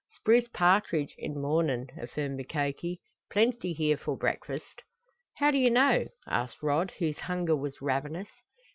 "Spruce partridge in mornin'," affirmed Mukoki. "Plenty here for breakfast." "How do you know?" asked Rod, whose hunger was ravenous.